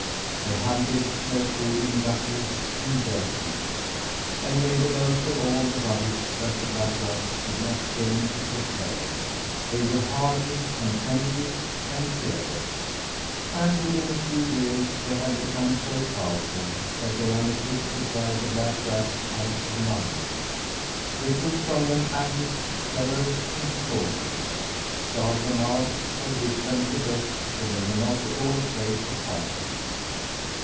They hunted their food in gutters and dirt heaps, and made the most of all the rubbish that the black rats did not deign to take care of. They were hardy, contented and fearless; and within a few years they had become so powerful that they undertook to drive the black rats out of Malmö. They took from them attics, cellars and storerooms, starved them out or bit them to death for they were not at all afraid of fighting.